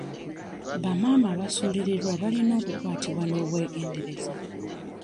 Bamaama abasulirirwa balina okukwatibwa n'obwegendereza.